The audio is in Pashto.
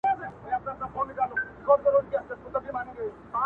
چې ستاسو زړه یې غواړي